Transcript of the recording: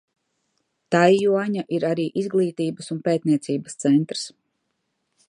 Taijuaņa ir arī izglītības un pētniecības centrs.